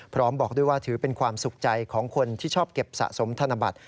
บอกด้วยว่าถือเป็นความสุขใจของคนที่ชอบเก็บสะสมธนบัตร